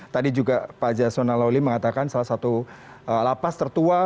tadi juga pak jasona lawli mengatakan salah satu lapas tertua